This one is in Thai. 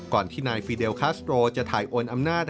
ที่นายฟีเดลคาสโตรจะถ่ายโอนอำนาจ